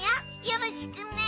よろしくね。